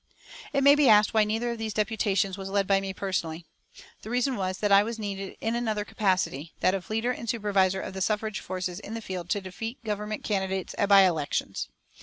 It may be asked why neither of these deputations was led by me personally. The reason was that I was needed in another capacity, that of leader and supervisor of the suffrage forces in the field to defeat Government candidates at by elections.